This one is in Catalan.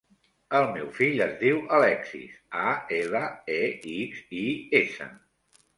El meu fill es diu Alexis: a, ela, e, ics, i, essa.